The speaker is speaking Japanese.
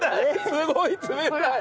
すごい冷たい！